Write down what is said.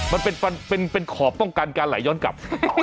มันเป็นขอบป้องกันการไหลย้อนกลับ